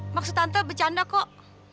maksud tante bercanda kok